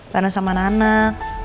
gak ada sama nanak